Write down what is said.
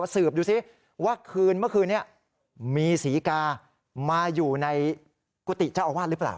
สืบดูซิว่าคืนเมื่อคืนนี้มีศรีกามาอยู่ในกุฏิเจ้าอาวาสหรือเปล่า